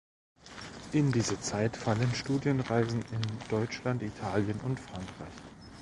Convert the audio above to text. In diese Zeit fallen Studienreisen in Deutschland, Italien und Frankreich.